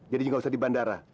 jadi gak usah di bandara